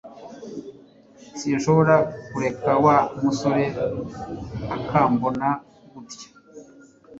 Sinshobora kureka Wa musore akambona gutya